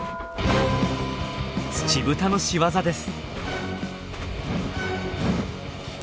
ツチブタの仕業です。